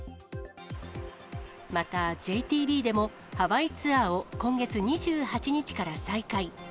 またＪＴＢでも、ハワイツアーを今月２８日から再開。